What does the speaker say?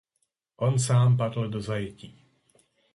On sám padl do zajetí.